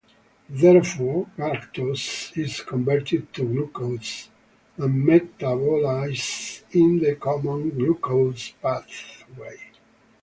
Therefore, galactose is converted to glucose and metabolized in the common glucose pathway.